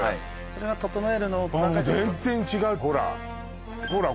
それは整えるのをもう全然違うほらほら